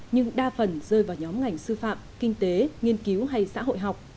nhưng đa phần rơi vào nhóm ngành sư phạm kinh tế nghiên cứu hay xã hội học